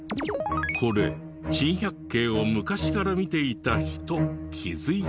これ『珍百景』を昔から見ていた人気づいたかも。